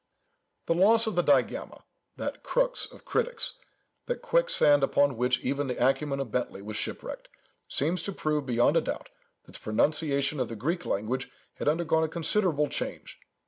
The loss of the digamma, that crux of critics, that quicksand upon which even the acumen of Bentley was shipwrecked, seems to prove beyond a doubt, that the pronunciation of the Greek language had undergone a considerable change.